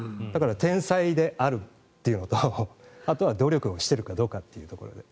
だから天才であるというのとあとは努力をしているかどうかというところ。